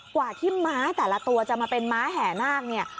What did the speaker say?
กว่าที่ม้าแต่ละตัวจะมาเป็นม้าแห่นาคเนี่ย